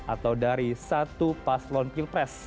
atau dari satu paslon pilpres